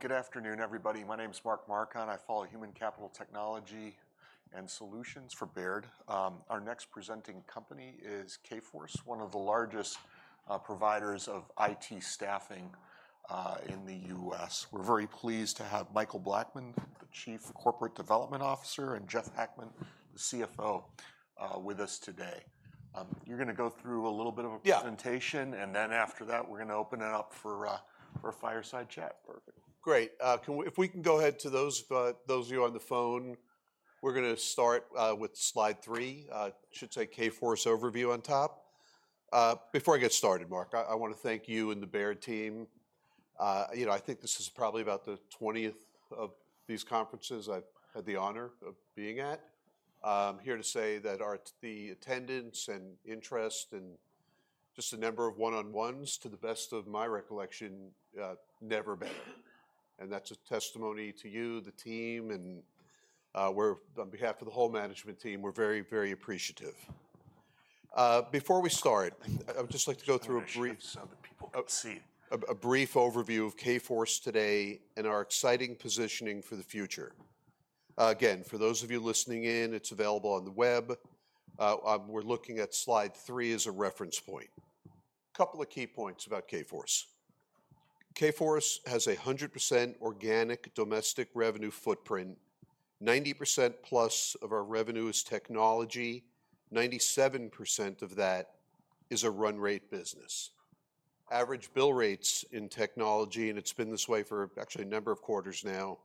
Good afternoon, everybody. My name is Mark Marcon. I follow human capital technology and solutions for Baird. Our next presenting company is Kforce, one of the largest providers of IT staffing in the U.S. We're very pleased to have Michael Blackman, the Chief Corporate Development Officer, and Jeff Hackman, the CFO, with us today. You're gonna go through a little bit of a- Yeah presentation, and then after that, we're gonna open it up for a fireside chat. Perfect. Great. Can we go ahead to those of you on the phone? We're gonna start with slide three. Should say Kforce Overview on top. Before I get started, Mark, I wanna thank you and the Baird team. You know, I think this is probably about the 20th of these conferences I've had the honor of being at. I'm here to say that the attendance and interest and just the number of one-on-ones, to the best of my recollection, never better. And that's a testimony to you, the team, and on behalf of the whole management team, we're very, very appreciative. Before we start, I would just like to go through a brief- I'm gonna make sure so that people can see. A brief overview of Kforce today and our exciting positioning for the future. Again, for those of you listening in, it's available on the web. We're looking at slide three as a reference point. Couple of key points about Kforce. Kforce has a 100% organic domestic revenue footprint. 90% plus of our revenue is technology. 97% of that is a run rate business. Average bill rates in technology, and it's been this way for actually a number of quarters now,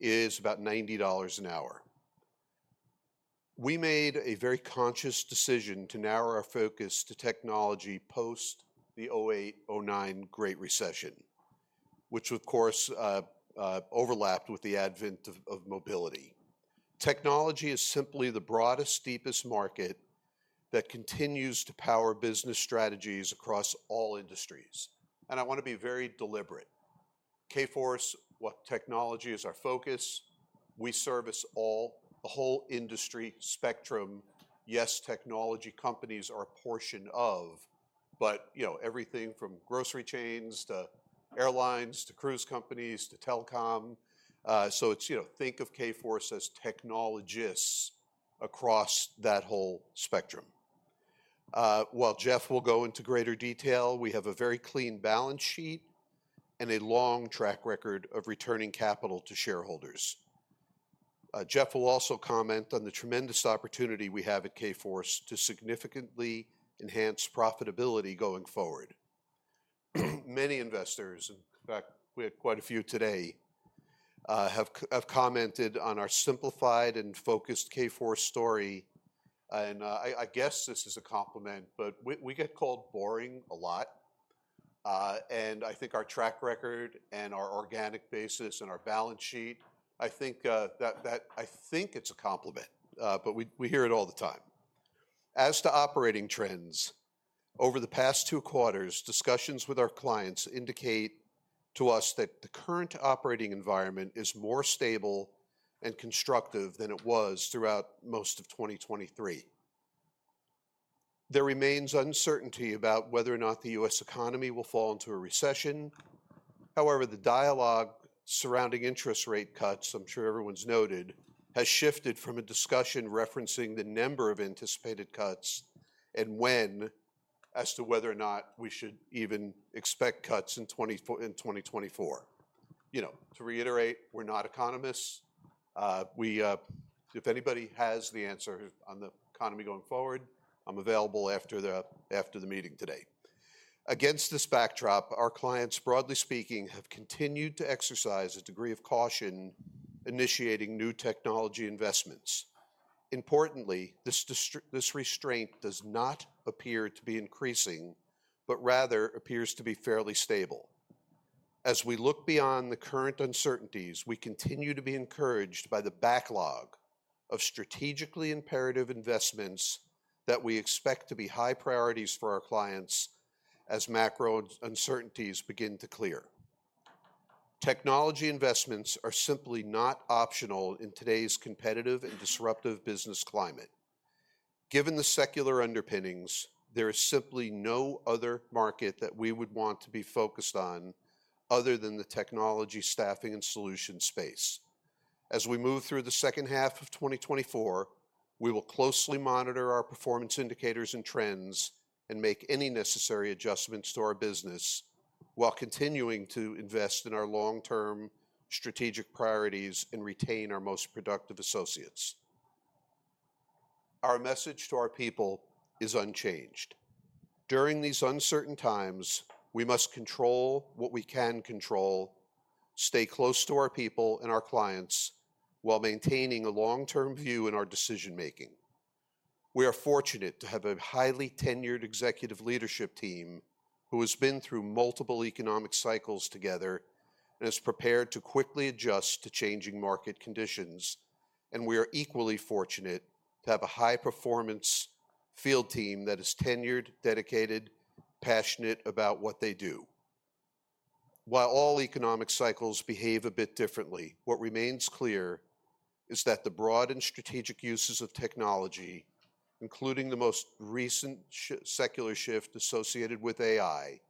is about $90 an hour. We made a very conscious decision to narrow our focus to technology post the 2008, 2009 Great Recession, which of course overlapped with the advent of mobility. Technology is simply the broadest, deepest market that continues to power business strategies across all industries, and I wanna be very deliberate. Kforce, while technology is our focus, we service all, the whole industry spectrum. Yes, technology companies are a portion of, but, you know, everything from grocery chains, to airlines, to cruise companies, to telecom. So it's, you know, think of Kforce as technologists across that whole spectrum. While Jeff will go into greater detail, we have a very clean balance sheet and a long track record of returning capital to shareholders. Jeff will also comment on the tremendous opportunity we have at Kforce to significantly enhance profitability going forward. Many investors, in fact, we had quite a few today, have commented on our simplified and focused Kforce story, and, I guess this is a compliment, but we get called boring a lot. And I think our track record, and our organic basis, and our balance sheet, I think, I think it's a compliment, but we, we hear it all the time. As to operating trends, over the past two quarters, discussions with our clients indicate to us that the current operating environment is more stable and constructive than it was throughout most of 2023. There remains uncertainty about whether or not the U.S. economy will fall into a recession. However, the dialogue surrounding interest rate cuts, I'm sure everyone's noted, has shifted from a discussion referencing the number of anticipated cuts and when, as to whether or not we should even expect cuts in twenty fo- in 2024. You know, to reiterate, we're not economists. If anybody has the answer on the economy going forward, I'm available after the meeting today. Against this backdrop, our clients, broadly speaking, have continued to exercise a degree of caution initiating new technology investments. Importantly, this restraint does not appear to be increasing, but rather appears to be fairly stable. As we look beyond the current uncertainties, we continue to be encouraged by the backlog of strategically imperative investments that we expect to be high priorities for our clients as macro uncertainties begin to clear. Technology investments are simply not optional in today's competitive and disruptive business climate. Given the secular underpinnings, there is simply no other market that we would want to be focused on other than the technology staffing and solution space. As we move through the second half of 2024, we will closely monitor our performance indicators and trends and make any necessary adjustments to our business while continuing to invest in our long-term strategic priorities and retain our most productive associates. Our message to our people is unchanged. During these uncertain times, we must control what we can control, stay close to our people and our clients while maintaining a long-term view in our decision making. We are fortunate to have a highly tenured executive leadership team who has been through multiple economic cycles together and is prepared to quickly adjust to changing market conditions, and we are equally fortunate to have a high-performance field team that is tenured, dedicated, passionate about what they do. While all economic cycles behave a bit differently, what remains clear... Is that the broad and strategic uses of technology, including the most recent secular shift associated with AI,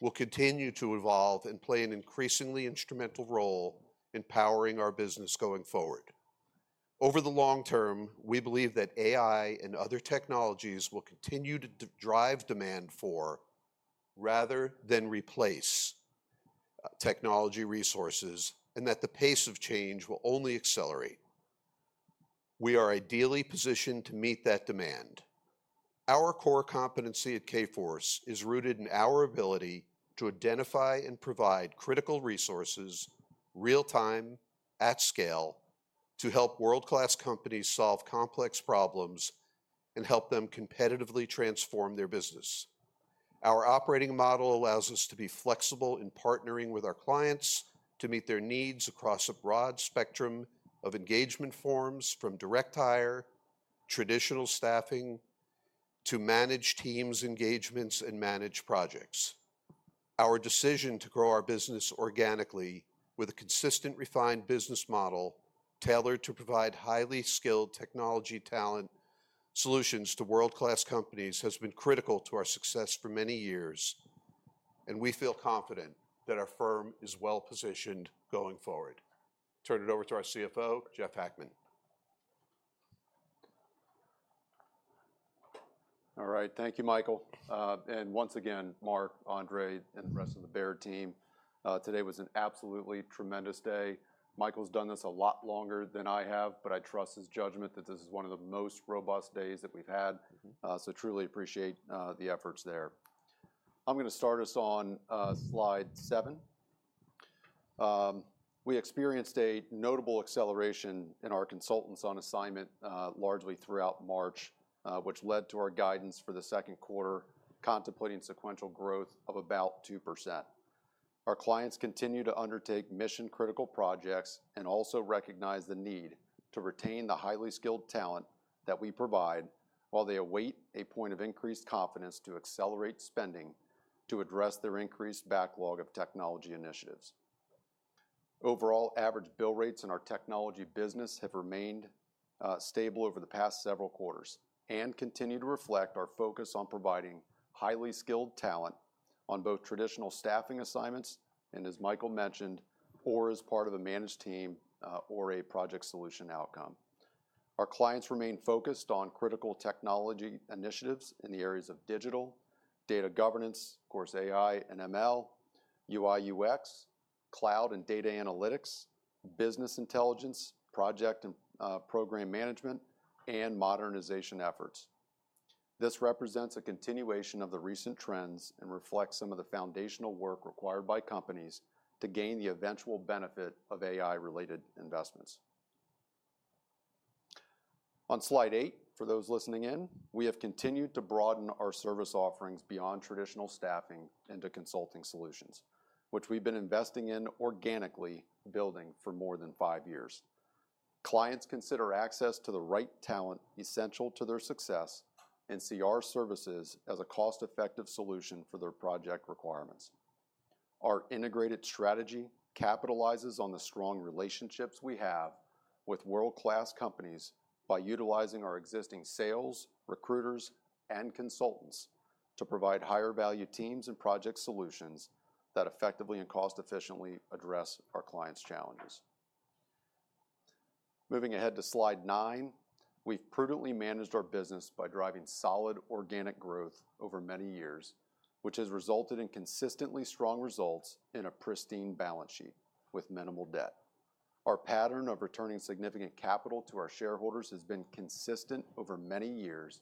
will continue to evolve and play an increasingly instrumental role in powering our business going forward. Over the long term, we believe that AI and other technologies will continue to drive demand for, rather than replace, technology resources, and that the pace of change will only accelerate. We are ideally positioned to meet that demand. Our core competency at Kforce is rooted in our ability to identify and provide critical resources, real time, at scale, to help world-class companies solve complex problems and help them competitively transform their business. Our operating model allows us to be flexible in partnering with our clients to meet their needs across a broad spectrum of engagement forms, from direct hire, traditional staffing, to managed teams engagements, and managed projects. Our decision to grow our business organically with a consistent, refined business model, tailored to provide highly skilled technology talent solutions to world-class companies, has been critical to our success for many years, and we feel confident that our firm is well-positioned going forward. Turn it over to our CFO, Jeff Hackman. All right. Thank you, Michael. Once again, Mark, Andrej, and the rest of the Baird team, today was an absolutely tremendous day. Michael's done this a lot longer than I have, but I trust his judgment that this is one of the most robust days that we've had. Mm-hmm. So truly appreciate the efforts there. I'm gonna start us on slide seven. We experienced a notable acceleration in our consultants on assignment, largely throughout March, which led to our guidance for the second quarter, contemplating sequential growth of about 2%. Our clients continue to undertake mission-critical projects and also recognize the need to retain the highly skilled talent that we provide while they await a point of increased confidence to accelerate spending to address their increased backlog of technology initiatives. Overall, average bill rates in our technology business have remained stable over the past several quarters and continue to reflect our focus on providing highly skilled talent on both traditional staffing assignments, and as Michael mentioned, or as part of a managed team, or a project solution outcome. Our clients remain focused on critical technology initiatives in the areas of digital, data governance, of course, AI and ML, UI/UX, cloud and data analytics, business intelligence, project and program management, and modernization efforts. This represents a continuation of the recent trends and reflects some of the foundational work required by companies to gain the eventual benefit of AI-related investments. On slide eight, for those listening in, we have continued to broaden our service offerings beyond traditional staffing into consulting solutions, which we've been investing in organically building for more than five years. Clients consider access to the right talent essential to their success and see our services as a cost-effective solution for their project requirements. Our integrated strategy capitalizes on the strong relationships we have with world-class companies by utilizing our existing sales, recruiters, and consultants to provide higher value teams and project solutions that effectively and cost efficiently address our clients' challenges. Moving ahead to slide nine, we've prudently managed our business by driving solid organic growth over many years, which has resulted in consistently strong results and a pristine balance sheet with minimal debt. Our pattern of returning significant capital to our shareholders has been consistent over many years,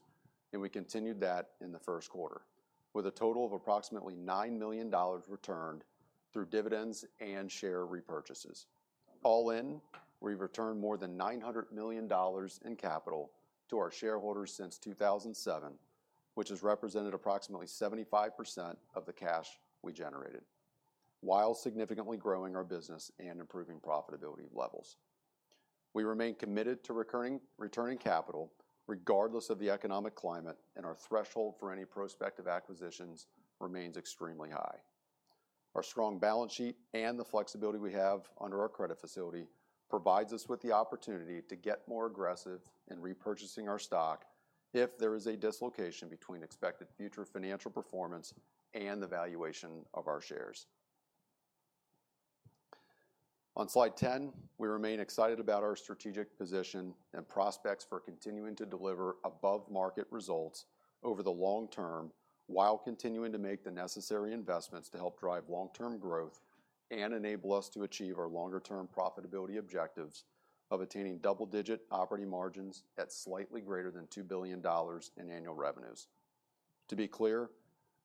and we continued that in the first quarter, with a total of approximately $9 million returned through dividends and share repurchases. All in, we've returned more than $900 million in capital to our shareholders since 2007, which has represented approximately 75% of the cash we generated, while significantly growing our business and improving profitability levels. We remain committed to returning capital, regardless of the economic climate, and our threshold for any prospective acquisitions remains extremely high. Our strong balance sheet and the flexibility we have under our credit facility provides us with the opportunity to get more aggressive in repurchasing our stock if there is a dislocation between expected future financial performance and the valuation of our shares. On slide 10, we remain excited about our strategic position and prospects for continuing to deliver above-market results over the long term, while continuing to make the necessary investments to help drive long-term growth and enable us to achieve our longer-term profitability objectives of attaining double-digit operating margins at slightly greater than $2 billion in annual revenues. To be clear,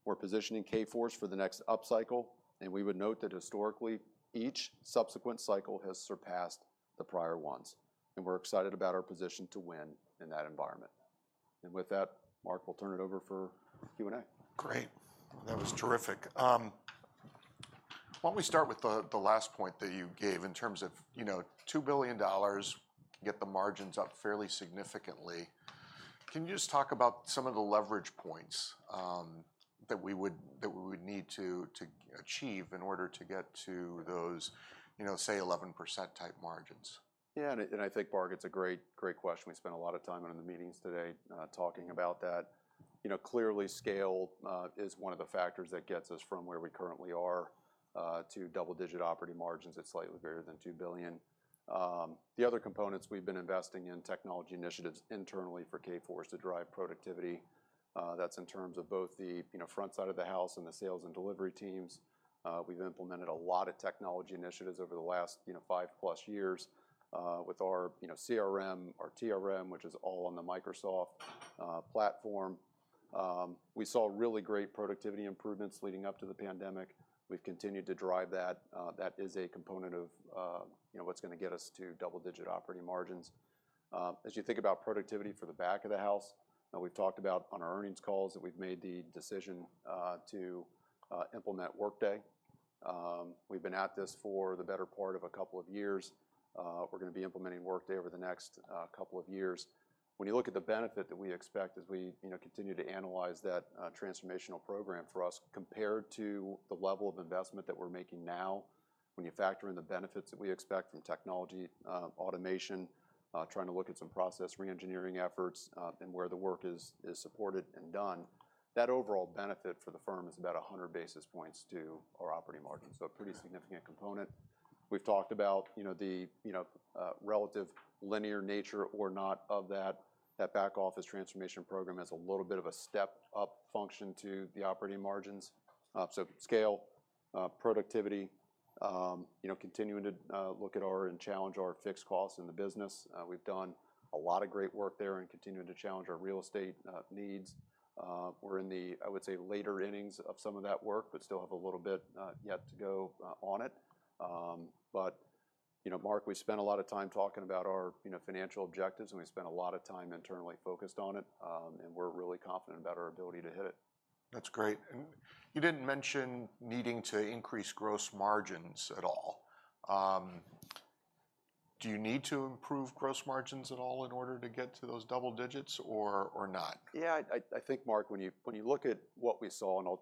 we're positioning Kforce for the next upcycle, and we would note that historically, each subsequent cycle has surpassed the prior ones, and we're excited about our position to win in that environment. With that, Mark, we'll turn it over for Q&A. Great. That was terrific. Why don't we start with the last point that you gave in terms of, you know, $2 billion, get the margins up fairly significantly.... Can you just talk about some of the leverage points, that we would need to achieve in order to get to those, you know, say, 11% type margins? Yeah, and I think, Mark, it's a great, great question. We spent a lot of time in the meetings today, talking about that. You know, clearly, scale is one of the factors that gets us from where we currently are to double-digit operating margins at slightly bigger than $2 billion. The other components we've been investing in technology initiatives internally for Kforce to drive productivity. That's in terms of both the, you know, front side of the house and the sales and delivery teams. We've implemented a lot of technology initiatives over the last, you know, five-plus years with our, you know, CRM, our TRM, which is all on the Microsoft platform. We saw really great productivity improvements leading up to the pandemic. We've continued to drive that. That is a component of, you know, what's gonna get us to double-digit operating margins. As you think about productivity for the back of the house, we've talked about on our earnings calls, that we've made the decision to implement Workday. We've been at this for the better part of a couple of years. We're gonna be implementing Workday over the next couple of years. When you look at the benefit that we expect as we, you know, continue to analyze that transformational program for us, compared to the level of investment that we're making now, when you factor in the benefits that we expect from technology, automation, trying to look at some process reengineering efforts, and where the work is supported and done, that overall benefit for the firm is about 100 basis points to our operating margin. Yeah. So a pretty significant component. We've talked about, you know, the, you know, relative linear nature or not of that back office transformation program as a little bit of a step-up function to the operating margins. So scale, productivity, you know, continuing to look at our and challenge our fixed costs in the business. We've done a lot of great work there in continuing to challenge our real estate needs. We're in the, I would say, later innings of some of that work, but still have a little bit yet to go on it. But, you know, Mark, we spent a lot of time talking about our, you know, financial objectives, and we spent a lot of time internally focused on it, and we're really confident about our ability to hit it. That's great, and you didn't mention needing to increase gross margins at all. Do you need to improve gross margins at all in order to get to those double digits or, or not? Yeah, I think, Mark, when you look at what we saw, and I'll...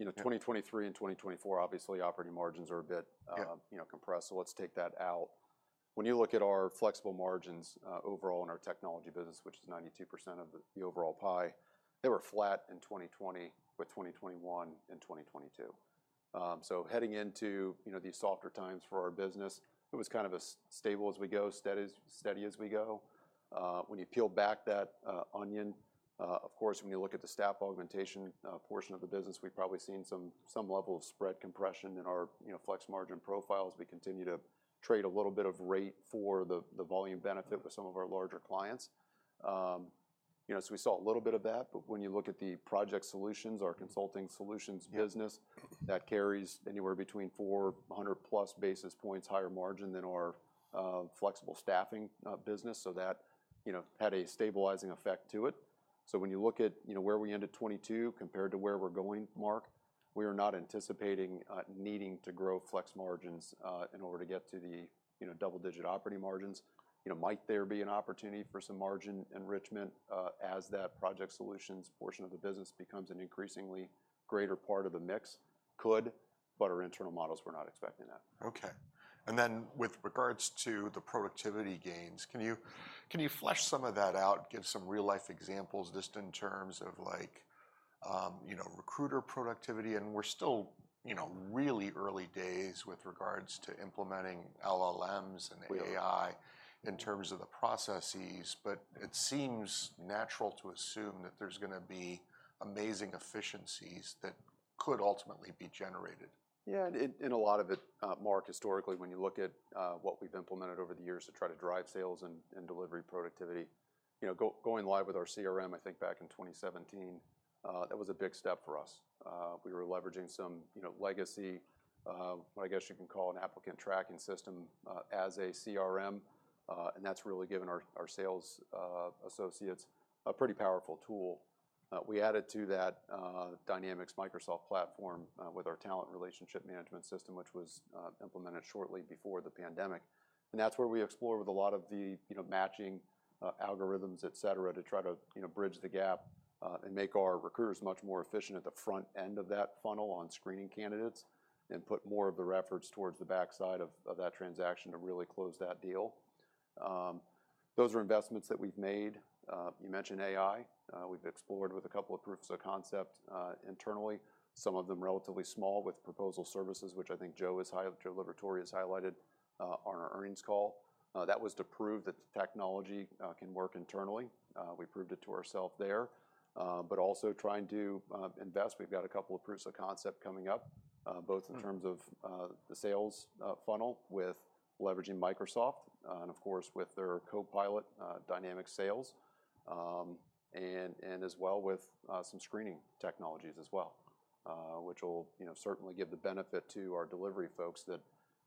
You know- Yeah... 2023 and 2024, obviously, operating margins are a bit, Yeah... you know, compressed, so let's take that out. When you look at our flexible margins, overall in our technology business, which is 92% of the overall pie, they were flat in 2020, but 2021 and 2022. So heading into, you know, these softer times for our business, it was kind of as stable as we go, steady, steady as we go. When you peel back that onion, of course, when you look at the staff augmentation portion of the business, we've probably seen some level of spread compression in our, you know, flex margin profiles. We continue to trade a little bit of rate for the volume benefit with some of our larger clients. You know, so we saw a little bit of that, but when you look at the project solutions, our consulting solutions business- Yeah... that carries anywhere between 400+ basis points higher margin than our flexible staffing business. So that, you know, had a stabilizing effect to it. So when you look at, you know, where we ended 2022 compared to where we're going, Mark, we are not anticipating needing to grow flex margins in order to get to the, you know, double-digit operating margins. You know, might there be an opportunity for some margin enrichment as that project solutions portion of the business becomes an increasingly greater part of the mix? Could, but our internal models, we're not expecting that. Okay. And then, with regards to the productivity gains, can you, can you flesh some of that out, give some real-life examples, just in terms of like, you know, recruiter productivity? And we're still, you know, really early days with regards to implementing LLMs and AI- We are... in terms of the processes, but it seems natural to assume that there's gonna be amazing efficiencies that could ultimately be generated. Yeah, a lot of it, Mark, historically, when you look at what we've implemented over the years to try to drive sales and delivery productivity, you know, going live with our CRM, I think back in 2017, that was a big step for us. We were leveraging some, you know, legacy, I guess you can call an applicant tracking system, as a CRM, and that's really given our sales associates a pretty powerful tool. We added to that, Microsoft Dynamics platform, with our talent relationship management system, which was implemented shortly before the pandemic, and that's where we explore with a lot of the, you know, matching, algorithms, et cetera, to try to, you know, bridge the gap, and make our recruiters much more efficient at the front end of that funnel on screening candidates and put more of the efforts towards the backside of that transaction to really close that deal. Those are investments that we've made. You mentioned AI. We've explored with a couple of proofs of concept, internally, some of them relatively small, with proposal services, which I think Joe Liberatore has highlighted, on our earnings call. That was to prove that the technology can work internally. We proved it to ourself there, but also trying to invest. We've got a couple of proofs of concept coming up, both- Mm... in terms of the sales funnel with leveraging Microsoft and of course with their Copilot Dynamics Sales. And as well with some screening technologies as well, which will, you know, certainly give the benefit to our delivery folks, that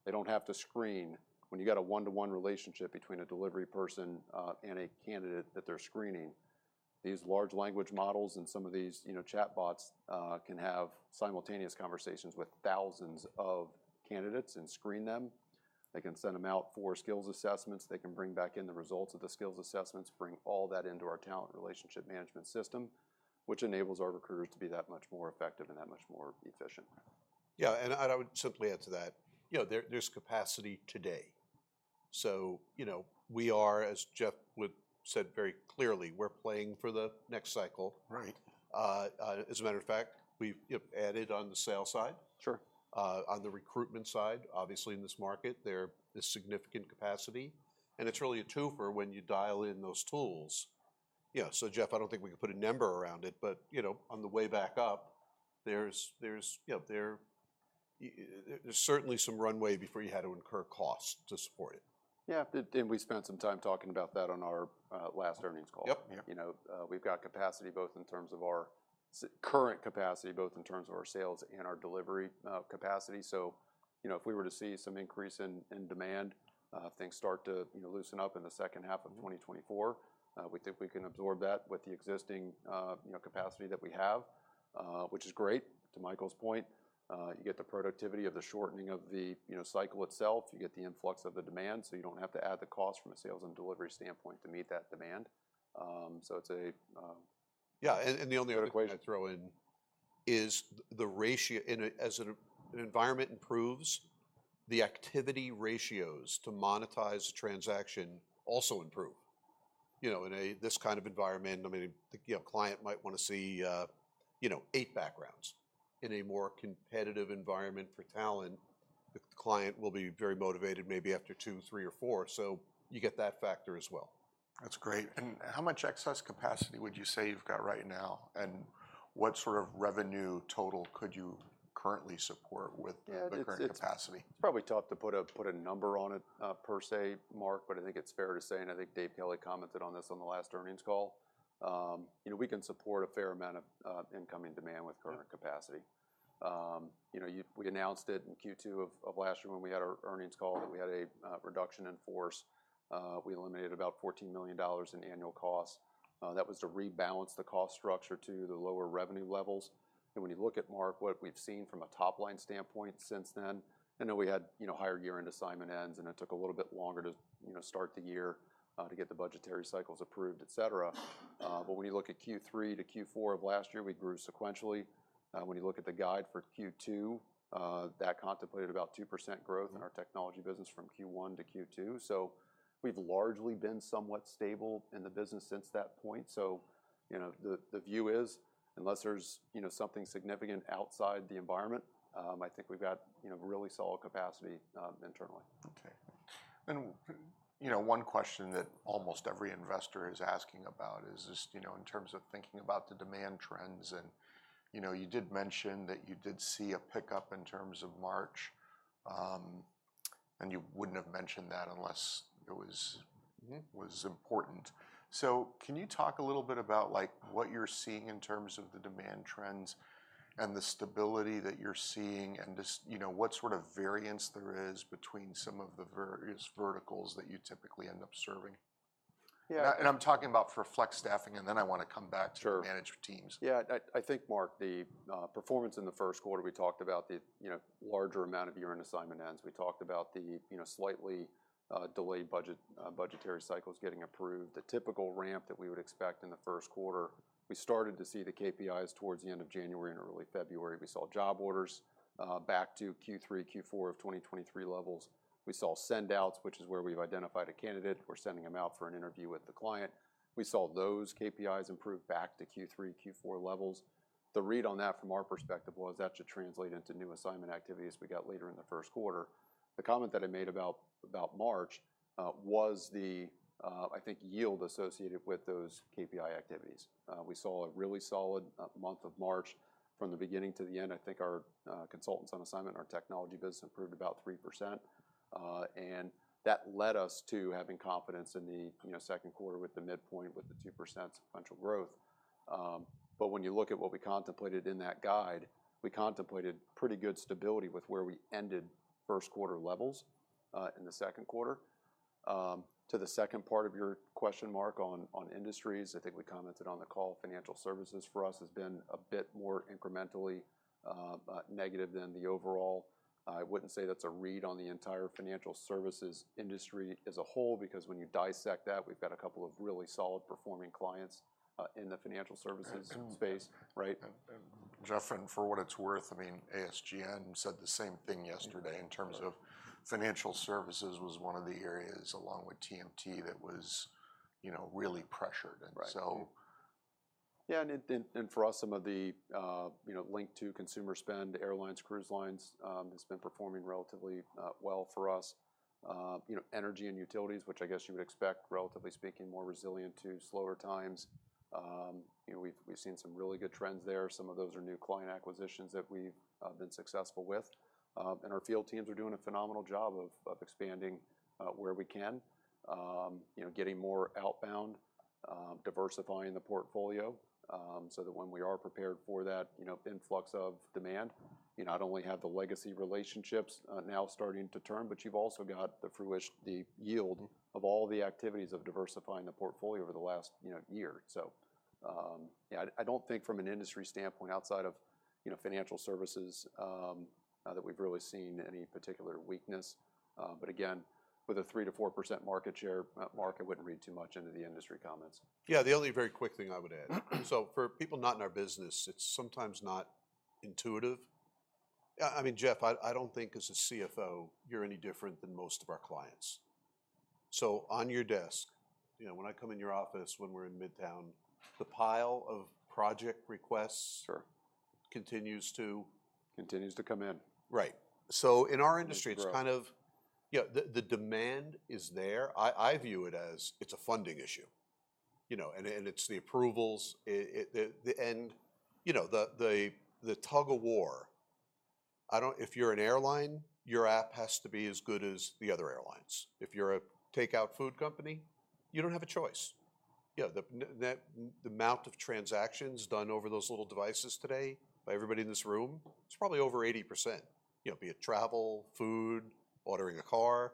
they don't have to screen. When you got a one-to-one relationship between a delivery person and a candidate that they're screening... These large language models and some of these, you know, chatbots can have simultaneous conversations with thousands of candidates and screen them. They can send them out for skills assessments. They can bring back in the results of the skills assessments, bring all that into our talent relationship management system, which enables our recruiters to be that much more effective and that much more efficient. Yeah, and I would simply add to that, you know, there's capacity today. So, you know, we are, as Jeff said very clearly, we're playing for the next cycle. Right. As a matter of fact, we've, you know, added on the sales side. Sure. On the recruitment side, obviously, in this market, there is significant capacity, and it's really a twofer when you dial in those tools. Yeah, so Jeff, I don't think we can put a number around it, but, you know, on the way back up, there's certainly some runway before you had to incur costs to support it. Yeah, and we spent some time talking about that on our last earnings call. Yep. Yeah. You know, we've got capacity, both in terms of our current capacity, both in terms of our sales and our delivery capacity. So, you know, if we were to see some increase in demand, things start to, you know, loosen up in the second half of 2024- Mm. We think we can absorb that with the existing, you know, capacity that we have, which is great. To Michael's point, you get the productivity of the shortening of the, you know, cycle itself. You get the influx of the demand, so you don't have to add the cost from a sales and delivery standpoint to meet that demand. Yeah, and the only other thing I'd throw in is the ratio... And as an environment improves, the activity ratios to monetize a transaction also improve. You know, in this kind of environment, I mean, you know, a client might want to see, you know, eight backgrounds. In a more competitive environment for talent, the client will be very motivated, maybe after two, three, or four. So you get that factor as well. That's great, and how much excess capacity would you say you've got right now, and what sort of revenue total could you currently support with- Yeah, it's- The current capacity? It's probably tough to put a number on it, per se, Mark, but I think it's fair to say, and I think Dave Kelly commented on this on the last earnings call, you know, we can support a fair amount of incoming demand with current- Yeah... capacity. You know, we announced it in Q2 of last year when we had our earnings call, that we had a reduction in force. We eliminated about $14 million in annual costs. That was to rebalance the cost structure to the lower revenue levels. And when you look at, Mark, what we've seen from a top-line standpoint since then, I know we had, you know, higher year-end assignment ends, and it took a little bit longer to, you know, start the year, to get the budgetary cycles approved, et cetera. But when you look at Q3 to Q4 of last year, we grew sequentially. When you look at the guide for Q2, that contemplated about 2% growth- Mm... in our technology business from Q1-Q2. So we've largely been somewhat stable in the business since that point. So, you know, the view is, unless there's, you know, something significant outside the environment, I think we've got, you know, really solid capacity internally. Okay. And, you know, one question that almost every investor is asking about is just, you know, in terms of thinking about the demand trends, and, you know, you did mention that you did see a pickup in terms of March. And you wouldn't have mentioned that unless it was important. So can you talk a little bit about, like, what you're seeing in terms of the demand trends and the stability that you're seeing, and just, you know, what sort of variance there is between some of the various verticals that you typically end up serving? Yeah. I'm talking about for flex staffing, and then I wanna come back- Sure... to managed teams. Yeah, I think, Mark, the performance in the first quarter, we talked about the, you know, larger amount of year-end assignment ends. We talked about the, you know, slightly delayed budgetary cycles getting approved. The typical ramp that we would expect in the first quarter, we started to see the KPIs towards the end of January and early February. We saw job orders back to Q3, Q4 of 2023 levels. We saw send outs, which is where we've identified a candidate. We're sending them out for an interview with the client. We saw those KPIs improve back to Q3, Q4 levels. The read on that from our perspective was that should translate into new assignment activity, as we got later in the first quarter. The comment that I made about March was the, I think, yield associated with those KPI activities. We saw a really solid month of March from the beginning to the end. I think our consultants on assignment, our technology business improved about 3%. And that led us to having confidence in the, you know, second quarter with the midpoint, with the 2% sequential growth. But when you look at what we contemplated in that guide, we contemplated pretty good stability with where we ended first quarter levels in the second quarter. To the second part of your question, Mark, on industries, I think we commented on the call, financial services for us has been a bit more incrementally negative than the overall. I wouldn't say that's a read on the entire financial services industry as a whole, because when you dissect that, we've got a couple of really solid-performing clients in the financial services- And zoom... space, right? Jeff, for what it's worth, I mean, ASGN said the same thing yesterday- Yeah... in terms of financial services was one of the areas, along with TMT, that was, you know, really pressured. Right. And so- Yeah, and for us, some of the, you know, linked to consumer spend, airlines, cruise lines, has been performing relatively well for us. You know, energy and utilities, which I guess you would expect, relatively speaking, more resilient to slower times. You know, we've seen some really good trends there. Some of those are new client acquisitions that we've been successful with. And our field teams are doing a phenomenal job of expanding where we can. You know, getting more outbound, diversifying the portfolio, so that when we are prepared for that, you know, influx of demand, you not only have the legacy relationships now starting to turn, but you've also got the fruition, the yield of all the activities of diversifying the portfolio over the last, you know, year. So, I don't think from an industry standpoint, outside of, you know, financial services, that we've really seen any particular weakness. But again, with a 3%-4% market share, Mark, I wouldn't read too much into the industry comments. Yeah, the only very quick thing I would add. So for people not in our business, it's sometimes not intuitive. I mean, Jeff, I don't think as a CFO, you're any different than most of our clients. So on your desk, you know, when I come in your office, when we're in Midtown, the pile of project requests. Sure. continues to? Continues to come in. Right. So in our industry- And grow... it's kind of, you know, the demand is there. I view it as it's a funding issue. You know, and it's the approvals, the tug of war. I don't... If you're an airline, your app has to be as good as the other airlines. If you're a takeout food company, you don't have a choice. You know, the amount of transactions done over those little devices today by everybody in this room, it's probably over 80%. You know, be it travel, food, ordering a car,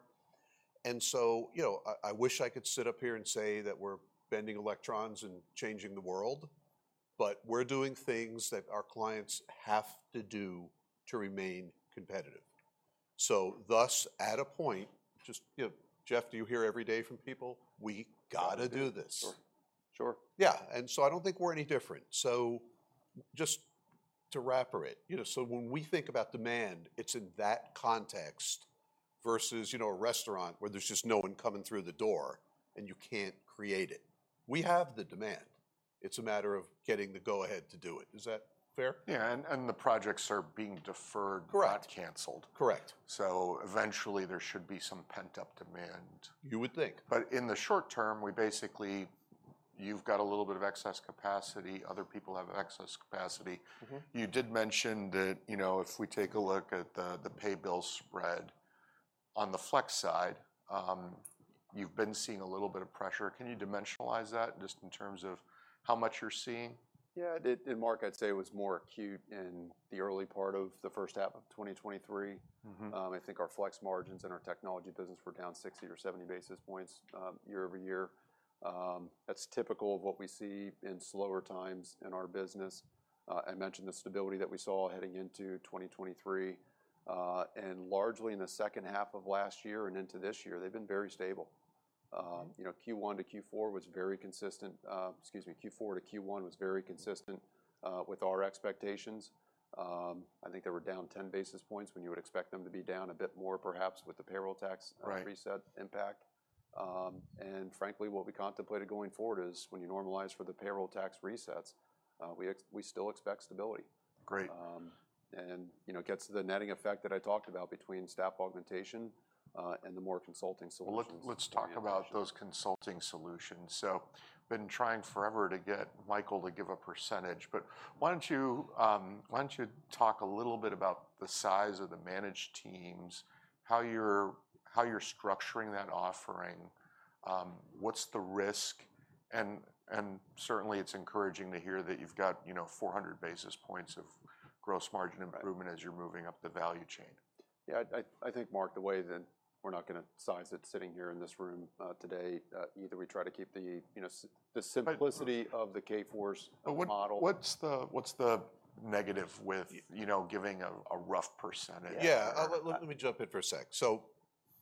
and so, you know, I wish I could sit up here and say that we're bending electrons and changing the world, but we're doing things that our clients have to do to remain competitive. Thus, at a point, just, you know, Jeff, do you hear every day from people, "We gotta do this? Sure, sure. Yeah, and so I don't think we're any different. So just to wrap it up, you know, so when we think about demand, it's in that context versus, you know, a restaurant where there's just no one coming through the door, and you can't create it. We have the demand. It's a matter of getting the go-ahead to do it. Is that fair? Yeah, and the projects are being deferred- Correct... not canceled. Correct. Eventually there should be some pent-up demand. You would think. In the short term, we basically, you've got a little bit of excess capacity. Other people have excess capacity. Mm-hmm. You did mention that, you know, if we take a look at the pay bill spread, on the flex side, you've been seeing a little bit of pressure. Can you dimensionalize that, just in terms of how much you're seeing? Yeah, it, and Mark, I'd say it was more acute in the early part of the first half of 2023. Mm-hmm. I think our flex margins and our technology business were down 60 or 70 basis points, year-over-year. That's typical of what we see in slower times in our business. I mentioned the stability that we saw heading into 2023. And largely in the second half of last year and into this year, they've been very stable. Mm-hmm. You know, Q1 to Q4 was very consistent. Excuse me, Q4 to Q1 was very consistent with our expectations. I think they were down 10 basis points, when you would expect them to be down a bit more, perhaps, with the payroll tax- Right... reset impact. And frankly, what we contemplated going forward is, when you normalize for the payroll tax resets, we still expect stability. Great. You know, it gets to the netting effect that I talked about between staff augmentation and the more consulting solutions. Well, let's talk about those consulting solutions. So been trying forever to get Michael to give a percentage, but why don't you talk a little bit about the size of the managed teams, how you're structuring that offering, what's the risk? And certainly it's encouraging to hear that you've got, you know, 400 basis points of gross margin- Right... improvement as you're moving up the value chain. Yeah, I think, Mark, the way that we're not gonna size it sitting here in this room today, either we try to keep the, you know, the simplicity- But-... of the Kforce model. But what's the negative with-... you know, giving a rough percentage? Yeah. Let me jump in for a sec. So,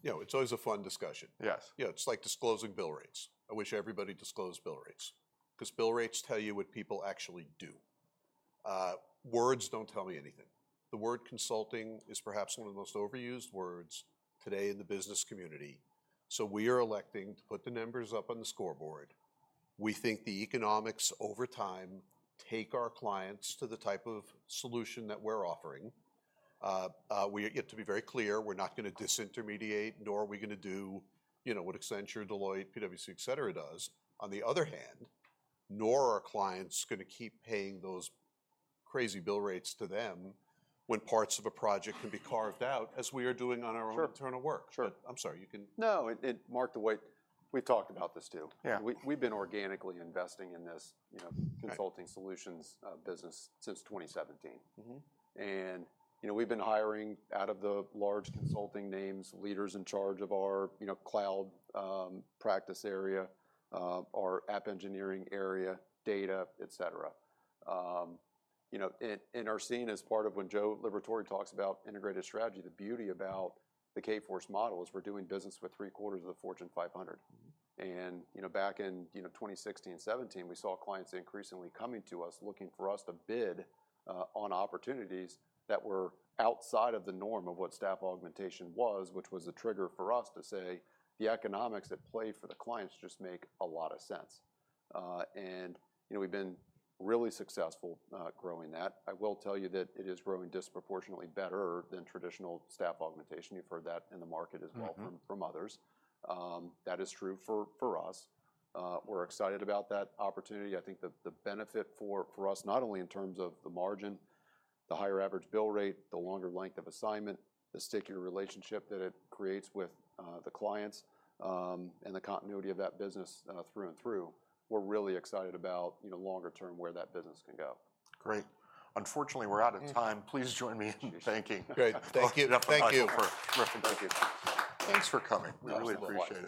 you know, it's always a fun discussion. Yes. Yeah, it's like disclosing bill rates. I wish everybody disclosed bill rates, 'cause bill rates tell you what people actually do. Words don't tell me anything. The word consulting is perhaps one of the most overused words today in the business community, so we are electing to put the numbers up on the scoreboard. We think the economics over time take our clients to the type of solution that we're offering. We yet to be very clear, we're not gonna disintermediate, nor are we gonna do, you know, what Accenture, Deloitte, PwC, et cetera, does. On the other hand, nor are clients gonna keep paying those crazy bill rates to them when parts of a project can be carved out, as we are doing on our own- Sure... internal work. Sure. I'm sorry, you can- No, it, Mark, the way... We've talked about this, too. Yeah. We've been organically investing in this, you know- Right... consulting solutions business since 2017. Mm-hmm. You know, we've been hiring out of the large consulting names, leaders in charge of our, you know, cloud, practice area, our app engineering area, data, et cetera. You know, and are seen as part of when Joe Liberatore talks about integrated strategy, the beauty about the Kforce model is we're doing business with three-quarters of the Fortune 500. Mm-hmm. You know, back in, you know, 2016 and 2017, we saw clients increasingly coming to us, looking for us to bid on opportunities that were outside of the norm of what staff augmentation was, which was a trigger for us to say, "The economics at play for the clients just make a lot of sense." And, you know, we've been really successful growing that. I will tell you that it is growing disproportionately better than traditional staff augmentation. You've heard that in the market as well. Mm-hmm... from, from others. That is true for, for us. We're excited about that opportunity. I think that the benefit for, for us, not only in terms of the margin, the higher average bill rate, the longer length of assignment, the stickier relationship that it creates with the clients, and the continuity of that business, through and through. We're really excited about, you know, longer term, where that business can go. Great. Unfortunately, we're out of time. Mm. Please join me in thanking. Great, thank you. Thank you. Thank you. Thanks for coming. Yeah, absolutely. We really appreciate it.